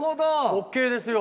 ＯＫですよ